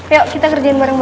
ayo kita kerjain bareng gue